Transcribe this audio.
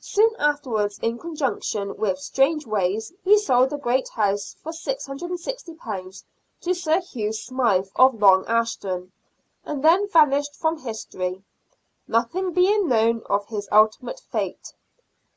Soon afterwards, in conjunction with Strangeways, he sold the Great House for £660 to Sir Hugh Smyth, of Long Ashton, and then vanished from history, nothing being known of his ultimate fate.